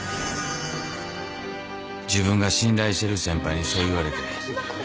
自分が信頼してる先輩にそう言われて。